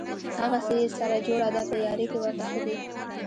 هغسې یې سره جوړه ده په یاري کې ورته ښه دي.